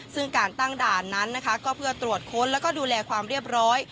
ซึ่งการตั้งด่านนั้นนะคะก็เพื่อตรวจค้นแล้วก็ดูแลความเรียบร้อย